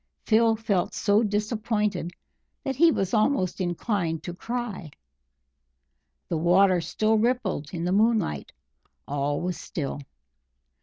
Phil felt so disappointed that he was almost inclined to cry. The water still rippled in the moonlight; all was still.